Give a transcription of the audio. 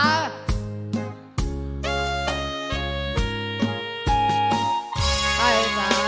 ไก่จ๋า